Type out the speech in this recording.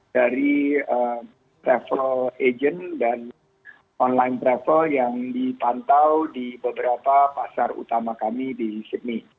dari travel agent dan online travel yang dipantau di beberapa pasar utama kami di sydney